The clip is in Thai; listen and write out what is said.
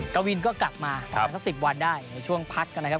กะวินก็กลับมาครับสักสิบวันได้ในช่วงพัดกันนะครับ